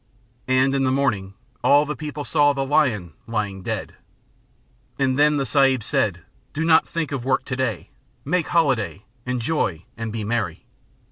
And in the morning all the people saw the lion lying dead. And then the Sahib said, "Do not think of work to day make holiday, enjoy and be merry."